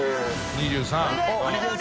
２３